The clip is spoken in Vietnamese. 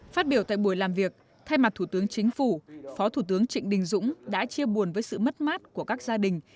phát biểu tại buổi làm việc thay mặt thủ tướng chính phủ phó thủ tướng trịnh đình dũng đã chia buồn với sự mất mát của các gia đình